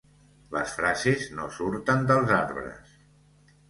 Les frases no surten dels arbres.